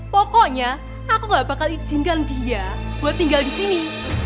pokoknya aku gak bakal izinkan dia buat tinggal di sini